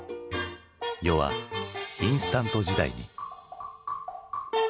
世はインスタント時代に。